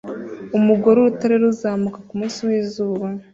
Umugore urutare ruzamuka kumunsi wizuba